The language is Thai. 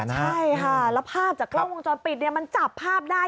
ใช่ค่ะแล้วภาพจากกล้องวงจรปิดมันจับภาพได้